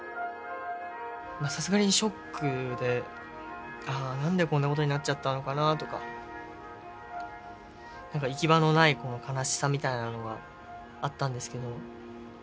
さすがにショックでああ何でこんなことになっちゃったのかなとか何か行き場のないこの悲しさみたいなのがあったんですけど。